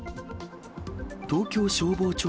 東京消防庁